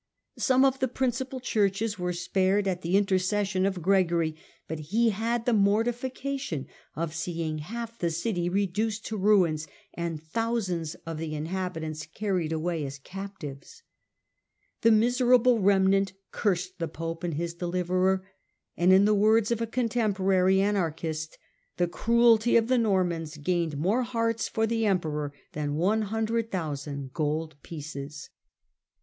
Some of the principal churches were spared at the intercession of Gregory, but he had the mortification of seeing half the city reduced to ruins, and thousands of the inhabitants carried away as captives. The miserable remnant cursed the pope and his deliverer, and, in the words of a contemporary anarchist, the cruelty of the Normans gained more hearts for the emperor than 100,000 gold pieces.